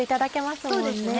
そうですね。